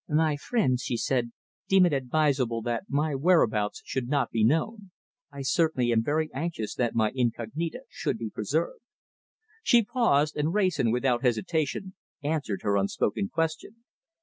"My friends," she said, "deem it advisable that my whereabouts should not be known. I certainly am very anxious that my incognita should be preserved." She paused, and Wrayson, without hesitation, answered her unspoken question.